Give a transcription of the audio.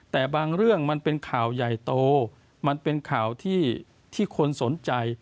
แต่บางเรื่องมันเป็นข่าวใหญ่โตมันเป็นข่าวที่คนสนใจ